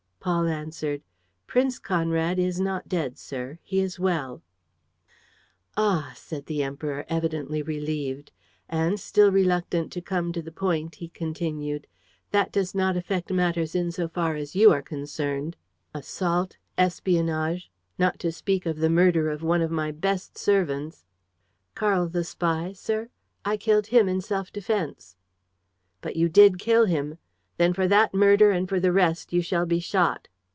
Paul answered: "Prince Conrad is not dead, sir; he is well." "Ah!" said the Kaiser, evidently relieved. And, still reluctant to come to the point, he continued: "That does not affect matters in so far as you are concerned. Assault ... espionage ... not to speak of the murder of one of my best servants. ..." "Karl the spy, sir? I killed him in self defense." "But you did kill him? Then for that murder and for the rest you shall be shot."